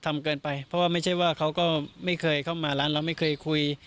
ทำเกินไปเพราะว่าไม่ใช่ว่าเขาก็ไม่เคยเข้ามาร้านเราไม่เคยคุย